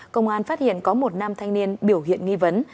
công an phát hiện có một nam thanh niên biểu hiện nghi vấn